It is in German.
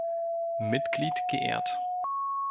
Mitglied geehrt.